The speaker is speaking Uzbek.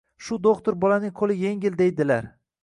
Shu do`xtir bolaning qo`li engil deydilar